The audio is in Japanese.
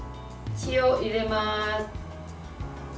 塩入れます。